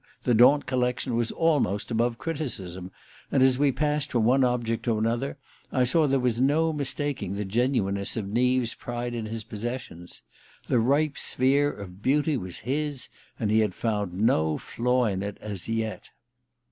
the Daunt collection was almost above criticism; and as we passed from one object to another I saw there was no mistaking the genuineness of Neave's pride in his possessions. The ripe sphere of beauty was his, and he had found no flaw in it as yet...